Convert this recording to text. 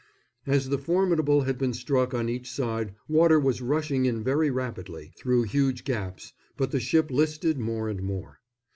As the Formidable had been struck on each side water was rushing in very rapidly, through huge gaps, but the ship listed more and more.